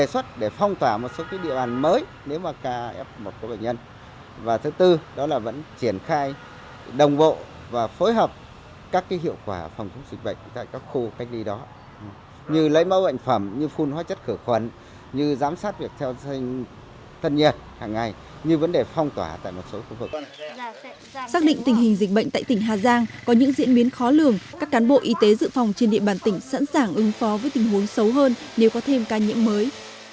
xác định tình hình dịch bệnh tại tỉnh hà giang có những diễn biến khó lường các cán bộ y tế dự phòng trên địa bàn tỉnh sẵn sàng ứng phó với tình huống xấu hơn nếu có thêm ca nhiễm mới